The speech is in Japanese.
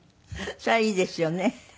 それはいいですよね。